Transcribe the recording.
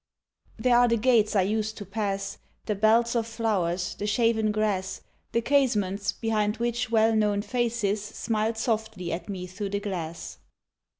There are the gates I used to pass, The belts of flowers, the shaven grass, The casements behind which well known faces Smiled softly at me through the glass.